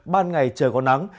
ban ngày trời có nắng